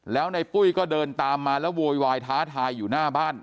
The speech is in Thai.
แล้วในปุ้ยก็เดินตามมาแล้วโวยวายท้าทายอยู่หน้าบ้าน